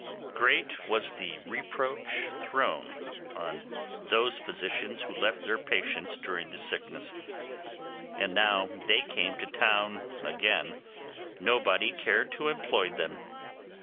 Great was the reproach thrown on those physicians who left their patients during the sickness, and now they came to town again nobody cared to employ them.